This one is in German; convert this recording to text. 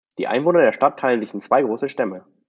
Die Einwohner der Stadt teilen sich in zwei große Stämme.